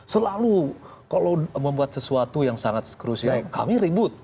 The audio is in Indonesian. selalu kalau membuat sesuatu yang sangat krusial kami ribut